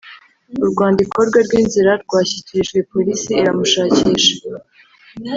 urwandiko rwe rw’inzira rwashyikirijwe Polisi iramushakisha